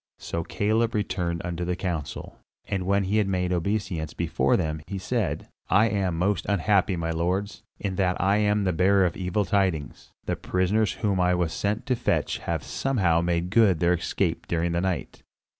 So Caleb returned unto the council; and when he had made obeisance before them, he said, "I am most unhappy, my lords, in that I am the bearer of evil tidings; the prisoners whom I was sent to fetch have somehow made good their escape during the night."